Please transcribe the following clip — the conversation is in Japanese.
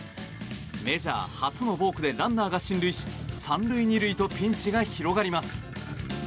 メジャー初のボークでランナーが進塁し３塁２塁とピンチが広がります。